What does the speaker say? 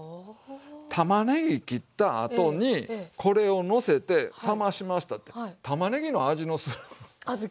たまねぎ切ったあとにこれをのせて冷ましましたってたまねぎの味のする小豆に。